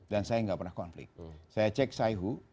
dan saya gak pernah konflik saya cek sae hoo